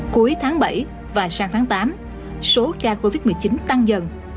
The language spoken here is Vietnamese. cuối tháng bảy và sang tháng tám số ca covid một mươi chín tăng dần